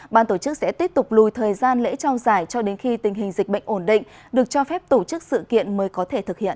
ban tổ chức sẽ tiếp tục lùi thời gian lễ trao giải cho đến khi tình hình dịch bệnh ổn định được cho phép tổ chức sự kiện mới có thể thực hiện